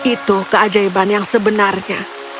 itu keajaiban yang sebenarnya